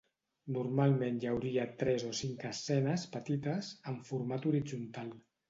Normalment hi hauria tres o cinc escenes petites, en format horitzontal.